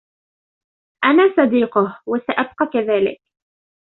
أنا صديقه و سأبقى كذلك.